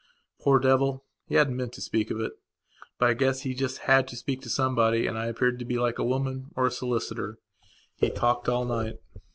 Poor devilhe hadn't meant to speak of it. But I guess he just had to speak to somebody and I appeared to be like a woman or a solicitor. He talked all night.